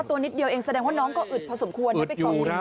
ตัวนิดเดียวเองแสดงว่าน้องก็อึดพอสมควรอึดอยู่ครับ